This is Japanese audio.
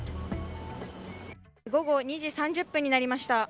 午後２時３０分になりました。